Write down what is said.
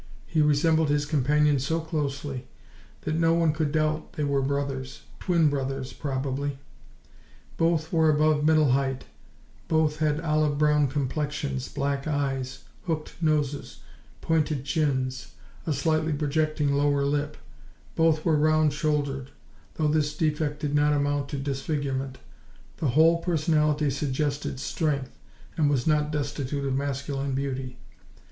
He resembled his companion so closely that no one could doubt they were brothers twin brothers, probably. Both were above middle height; both had olive brown complexions, black eyes, hooked noses, pointed chins, a slightly projecting lower lip; both were round shouldered, though this defect did not amount to disfigurement: the whole personality suggested strength, and was not destitute of masculine beauty.